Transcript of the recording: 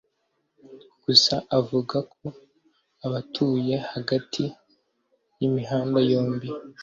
Gusa avuga ko abatuye hagati y'imihanda yombi,